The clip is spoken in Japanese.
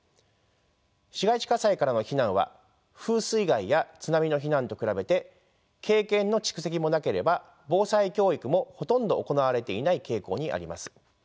市街地火災からの避難は風水害や津波の避難と比べて経験の蓄積もなければ防災教育もほとんど行われていない傾向にあります。